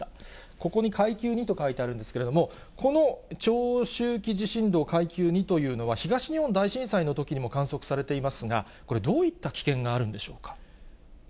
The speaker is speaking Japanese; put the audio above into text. ここに階級２と書いてあるんですけれども、この長周期地震動階級２というのは、東日本大震災のときにも観測されていますが、これ、どういった危険があるんでしょうか。